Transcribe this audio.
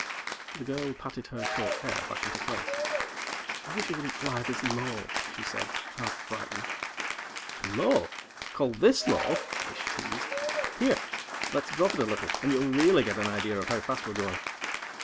The girl patted her short hair back into place. "I wish you wouldn't fly this low," she said, half frightened. "Low? Call this low?" Ish teased. "Here. Let's drop it a little, and you'll really get an idea of how fast we're going."